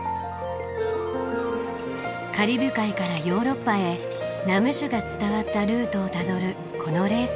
カリブ海からヨーロッパへラム酒が伝わったルートをたどるこのレース。